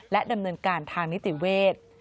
และดำเนินการทางนิติเวท